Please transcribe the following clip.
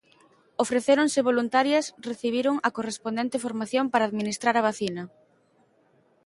Ofrecéronse voluntarias recibiron a correspondente formación para administrar a vacina.